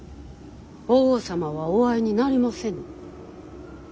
法皇様はお会いになりませぬ。